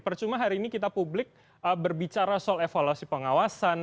percuma hari ini kita publik berbicara soal evaluasi pengawasan